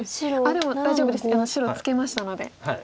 でも大丈夫です白ツケましたので。